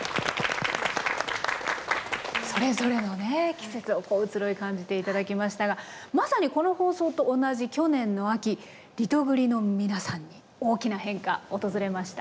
季節の移ろい感じて頂きましたがまさにこの放送と同じ去年の秋リトグリの皆さんに大きな変化訪れました。